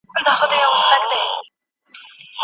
چي هر څه يې شاوخوا پسي نارې كړې